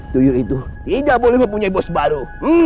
tuyu itu tidak boleh mempunyai bos baru